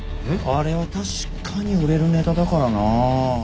あれは確かに売れるネタだからなあ。